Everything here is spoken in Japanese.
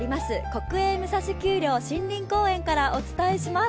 国営武蔵丘陵森林公園からお伝えします。